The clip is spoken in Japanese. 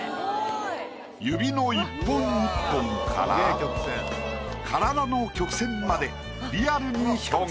指の一本一本から体の曲線までリアルに表現。